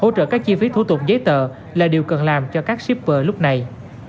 hỗ trợ các chi phí thủ tục giấy tờ là điều cần làm cho các shipper lúc này